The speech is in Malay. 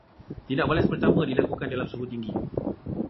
Tindak balas pertama dilakukan dalam suhu tinggi